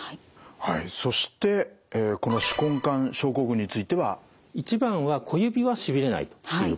はいそしてこの手根管症候群については。一番は小指はしびれないということですね。